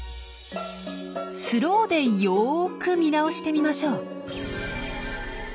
スローでよく見直してみましょう。